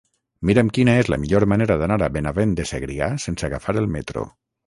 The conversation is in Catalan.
Mira'm quina és la millor manera d'anar a Benavent de Segrià sense agafar el metro.